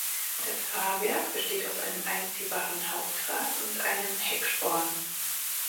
Das Fahrwerk besteht aus einem einziehbaren Hauptrad und einem Hecksporn.